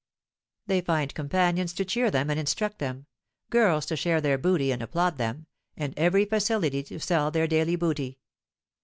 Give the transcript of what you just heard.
They find companions to cheer them and instruct them, girls to share their booty and applaud them, and every facility to sell their daily booty.